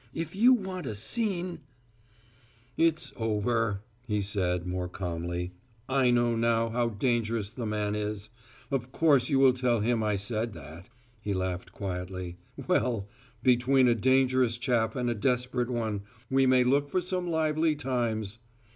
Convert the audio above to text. "If you want a `scene' " "It's over," he said, more calmly. "I know now how dangerous the man is. Of course you will tell him I said that." He laughed quietly. "Well between a dangerous chap and a desperate one, we may look for some lively times!